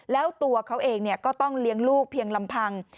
แล้วตัวเขาเองก็ต้องเลี้ยงลูกเพียงลำพัง